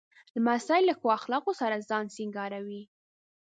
لمسی له ښو اخلاقو سره ځان سینګاروي.